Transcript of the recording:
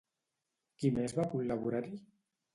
Qui més va col·laborar-hi?